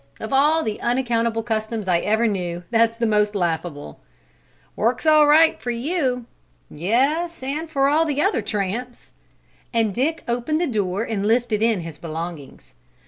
Of all the unaccountable customs I ever knew, that's the most laughable!" "Works all right for you!" "Yes, and for all the other tramps," and Dick opened the door and lifted in his belongings.